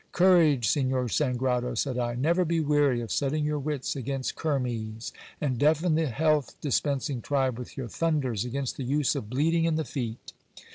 Courage, Signor Sangrado ! said I : never be weary of setting your wits against kermes ; and deafen the health dispensing tribe with your thunders against the use of bleeding in the feet.